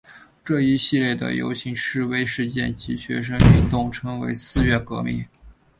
这一系列的游行示威事件及学生运动称为四月革命。